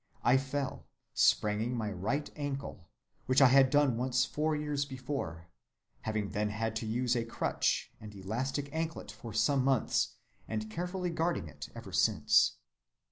I fell, spraining my right ankle, which I had done once four years before, having then had to use a crutch and elastic anklet for some months, and carefully guarding it ever since.